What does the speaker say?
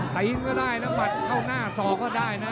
ก็ได้นะหมัดเข้าหน้าสอกก็ได้นะ